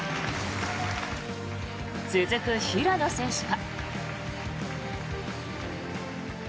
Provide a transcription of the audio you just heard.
続く平野選手は。